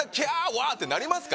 わ！ってなりますか？